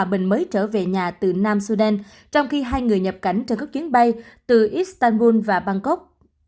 một bệnh mới trở về nhà từ nam sudan trong khi hai người nhập cảnh trên các chuyến bay từ istanbul và bangkok